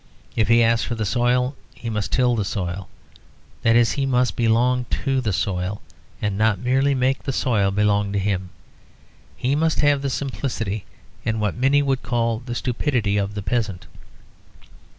If he asks for the soil he must till the soil; that is he must belong to the soil and not merely make the soil belong to him. He must have the simplicity, and what many would call the stupidity of the peasant.